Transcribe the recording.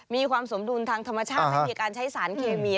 มีความสมดุลทางธรรมชาติให้มีการใช้สารเคมี